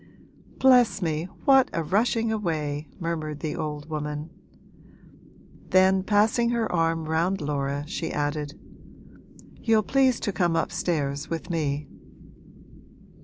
'Bless me, what a rushing away!' murmured the old woman. Then passing her arm round Laura she added, 'You'll please to come upstairs with me.'